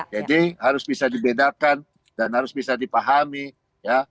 jadi harus bisa dibedakan dan harus bisa dipahami ya